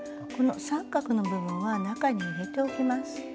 この三角の部分は中に入れておきます。